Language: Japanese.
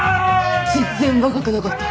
全然若くなかった。